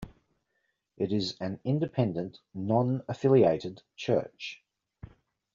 It is an independent, non-affiliated church.